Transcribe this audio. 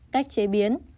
cách chế biến